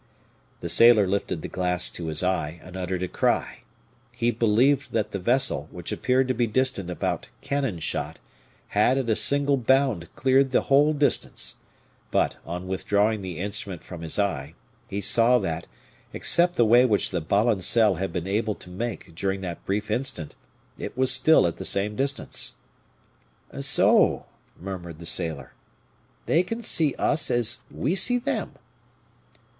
The sailor lifted the glass to his eye, and uttered a cry. He believed that the vessel, which appeared to be distant about cannon shot, had at a single bound cleared the whole distance. But, on withdrawing the instrument from his eye, he saw that, except the way which the balancelle had been able to make during that brief instant, it was still at the same distance. "So," murmured the sailor, "they can see us as we see them."